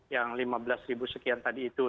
yang lima belas ribu sekian tadi itu